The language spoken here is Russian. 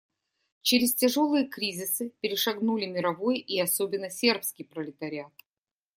Через тяжелые кризисы перешагнули мировой и особенно сербский пролетариат.